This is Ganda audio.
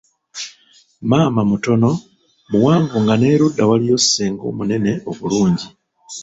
Maama mutono , muwanvu nga n'eruda waliyo senga omunene obulungi.